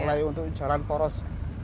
mulai untuk jalan poros